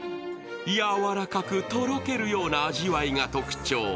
柔らかく、とろけるような味わいが特徴。